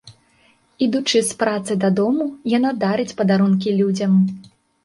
Ідучы з працы дадому, яна дарыць падарункі людзям.